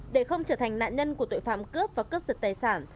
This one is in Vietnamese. để không trở thành nạn nhân của tội phạm cướp và cướp giật tài sản